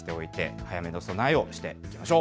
早めの備えをしておきましょう。